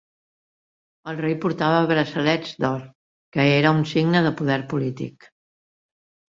El rei portava braçalets d'or que era un signe de poder polític.